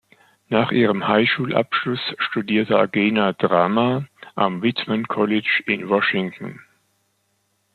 Nach ihrem Highschoolabschluss studierte Agena "Drama" am "Whitman College" in Washington.